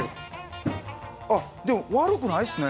あっでも悪くないですね。